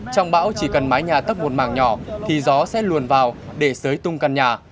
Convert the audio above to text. trong bão chỉ cần mái nhà tấp một màng nhỏ thì gió sẽ luồn vào để sới tung căn nhà